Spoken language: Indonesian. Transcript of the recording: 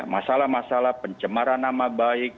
masalah masalah pencemaran nama baik